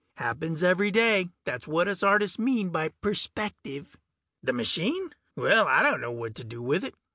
Happens every day; that's what us artists mean by perspective. The machine? Well, I dunno what to do with it.